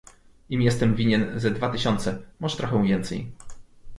"Im jestem winien ze dwa tysiące, może trochę więcej..."